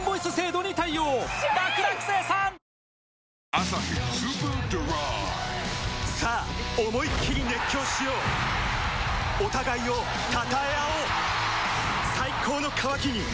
「アサヒスーパードライ」さあ思いっきり熱狂しようお互いを称え合おう最高の渇きにＤＲＹ